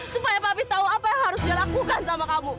supaya papi tahu apa yang harus dia lakukan sama kamu